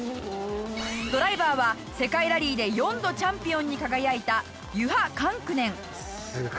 ドライバーは世界ラリーで４度チャンピオンに輝いたユハ・カンクネン。